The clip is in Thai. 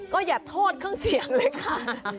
ก็อย่าโทษเครื่องเสียงเลยค่ะ